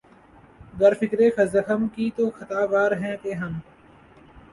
گر فکرِ زخم کی تو خطاوار ہیں کہ ہم